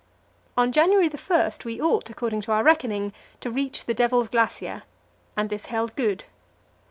On January 1 we ought, according to our reckoning, to reach the Devil's Glacier, and this held good.